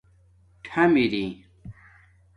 ٹھم اِری